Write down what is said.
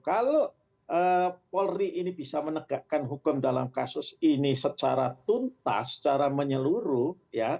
kalau polri ini bisa menegakkan hukum dalam kasus ini secara tuntas secara menyeluruh